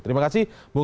terima kasih bung refli